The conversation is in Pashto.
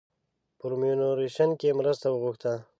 په میوریشیس کې مرسته وغوښته.